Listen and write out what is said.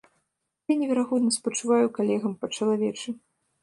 Я неверагодна спачуваю калегам па-чалавечы.